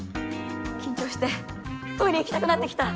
緊張してトイレ行きたくなってきた。